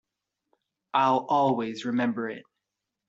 I'll always remember it.